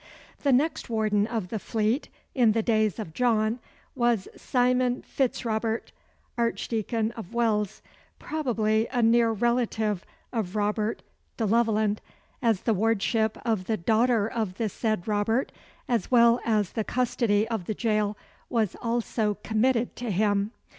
The next warden of the Fleet, in the days of John, was Simon Fitz Robert, Archdeacon of Wells, probably a near relative of Robert de Leveland, as the wardship of the daughter of the said Robert, as well as the custody of the jail, was also committed to him.